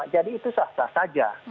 jadi itu sah sah saja